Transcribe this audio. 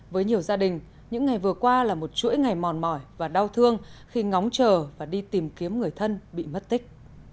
với nhiều gia đình những ngày vừa qua là một chuỗi ngày mòn mỏi và đau thương khi ngóng chờ và đi tìm kiếm người thân bị mất tích